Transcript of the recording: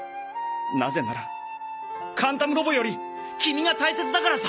なぜならカンタムロボよりキミが大切だからさ！